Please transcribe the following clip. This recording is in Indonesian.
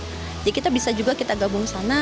jadi kita bisa juga kita gabung sana